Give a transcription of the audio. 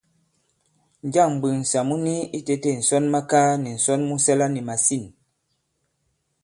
Njâŋ m̀mbwèŋsà mu ni itētē ǹsɔnmakaa nì ǹsɔn mu sɛla nì màsîn?